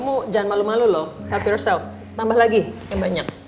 kamu jangan malu malu loh hafierself tambah lagi yang banyak